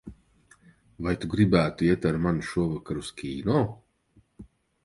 Vai tu gribētu iet ar mani šovakar uz kino?